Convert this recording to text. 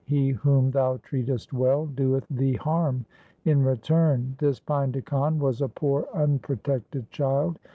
He whom thou treatest well doeth thee harm in return. This Painda Khan was a poor unprotected child.